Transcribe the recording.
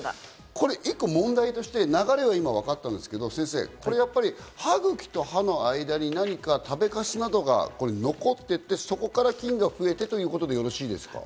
１個問題として流れは今わかったんですけど、先生、歯ぐきと歯の間に何か食べかすなどが残っていて、そこから菌が増えてということでよろしいですか？